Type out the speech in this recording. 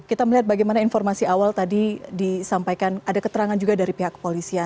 kita melihat bagaimana informasi awal tadi disampaikan ada keterangan juga dari pihak kepolisian